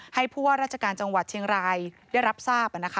ผู้ว่าราชการจังหวัดเชียงรายได้รับทราบ